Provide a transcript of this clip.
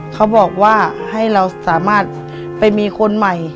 เขาบอกว่าให้เราสามารถไปมีคนใหม่